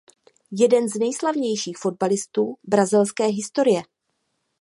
Jeden z nejslavnějších fotbalistů brazilské historie.